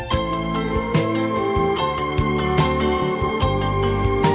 hẹn gặp lại